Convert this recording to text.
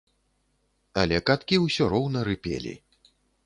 Але каткі ўсё роўна рыпелі.